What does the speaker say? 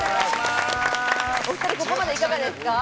ここまで、いかがですか？